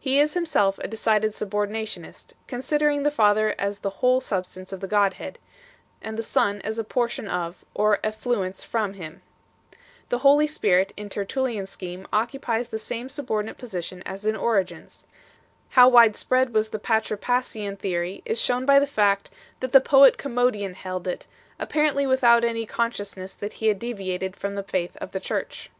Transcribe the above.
He is himself a decided subordinationist, considering the Father as the whole sub stance of the Godhead, and the Son as a portion of, or effluence from, Him 1 . The Holy Spirit in Tertullian s scheme occupies the same subordinate position as in Ori gen s. How widespread was the Patripassian_ih_epry is shown by the fact, that the poet Commodian held it, apparently without any consciousness that he had deviated from the faith of the Church.